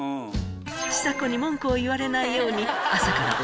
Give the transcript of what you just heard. ちさ子に文句を言われないようにここ。